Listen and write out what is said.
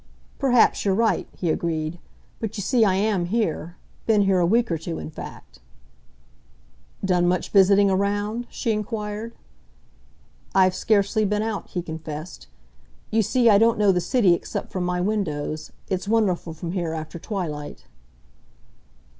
"Perhaps you're right," he agreed, "but you see I am here been here a week or two, in fact." "Done much visiting around?" she enquired. "I've scarcely been out," he confessed. "You see, I don't know the city except from my windows. It's wonderful from here after twilight."